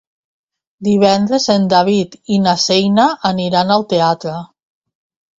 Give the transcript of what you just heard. Divendres en David i na Xènia aniran al teatre.